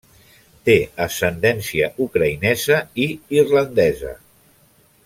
Té ascendència ucraïnesa i irlandesa.